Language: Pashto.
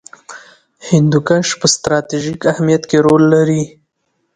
هندوکش په ستراتیژیک اهمیت کې رول لري.